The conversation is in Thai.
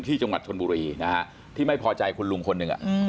ที่จังหวัดชนบุรีนะฮะที่ไม่พอใจคุณลุงคนหนึ่ง